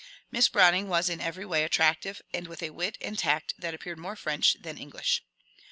Miss Browning was in every way attractive, and with a wit and tact that appeared more French than English.